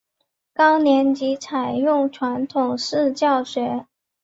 高年级采用传统式教学。